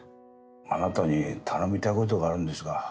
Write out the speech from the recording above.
あなたに頼みたいことがあるんですが。